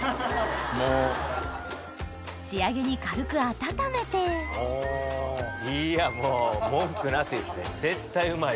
仕上げに軽く温めていやもう文句なしですね絶対うまいですね。